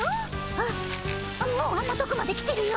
あっもうあんなとこまで来てるよ。